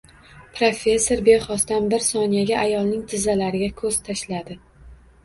Professor bexosdan bir soniyaga ayolning tizzalariga ko`z tashladi